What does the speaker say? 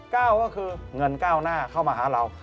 ก็คือเงินก้าวหน้าเข้ามาหาเรา